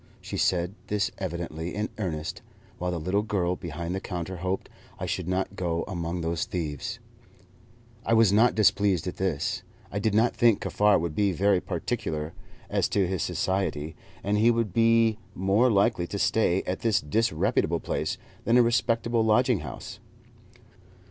She said this evidently in earnest, while the little girl behind the counter hoped I should not go among those thieves. I was not displeased at this. I did not think Kaffar would be very particular as to his society, and he would be more likely to stay at this disreputable place than in a respectable lodging house.